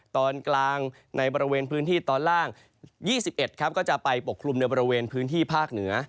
ตอนกลางในบริเวณพื้นที่ตอนล่าง๒๑ก็จะไปปกคลุมในบริเวณพื้นที่ภาคเหนือ